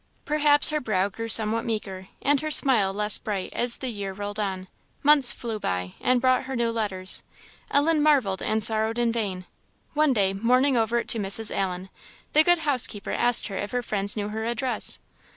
Perhaps her brow grew somewhat meeker, and her smile less bright, as the year rolled on. Months flew by, and brought her no letters. Ellen marvelled and sorrowed in vain. One day, mourning over it to Mrs. Allen, the good housekeeper asked her if her friends knew her address?